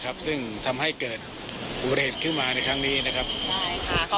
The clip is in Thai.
คุณสีอะไรไปดูรับฟังกันนะครับปล่อยให้ผู้ขับรถไปเสพยาบ้านะครับ